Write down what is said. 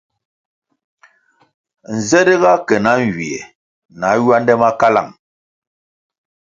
Nze ri ga ke na nywie na ywande ma kalang.